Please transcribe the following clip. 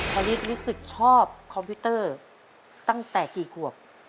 พระฤทธิรู้สึกชอบคอมพิวเตอร์ตั้งแต่กี่ขวบ